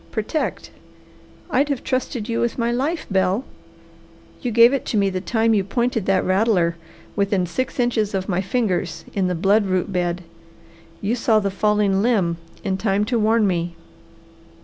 Protect! I'd have trusted you with my life, Bell! You gave it to me the time you pointed that rattler within six inches of my fingers in the blood root bed. You saw the falling limb in time to warn me.